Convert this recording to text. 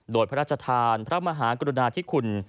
โดยพระราชทานพระมหากรุณาธิคุณ